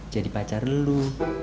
jadi pacar lu